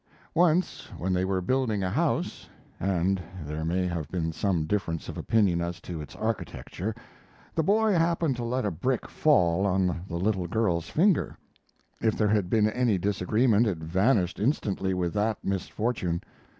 Once when they were building a house and there may have been some difference of opinion as to its architecture the boy happened to let a brick fall on the little girl's finger. If there had been any disagreement it vanished instantly with that misfortune.